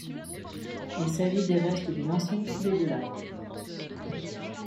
Il s'agit des restes d'une ancienne coulée de lave.